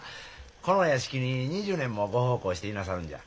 このお屋敷に２０年も御奉公していなさるんじゃ。